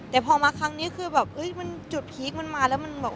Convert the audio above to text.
แต่พอมาครั้งนี้คือแบบมันจุดพีคมันมาแล้วมันแบบ